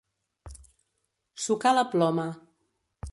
Sucar la ploma.